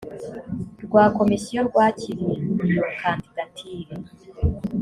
rwa komisiyo rwakiriye iyo kandidatire